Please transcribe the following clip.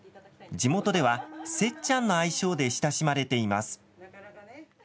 地元では、せっちゃんの愛称で親しまれています。